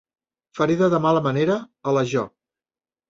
Ferida de mala manera, a la Job.